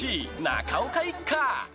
中岡一家！